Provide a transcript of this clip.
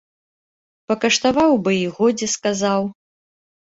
Пакаштаваў бы й годзе сказаў.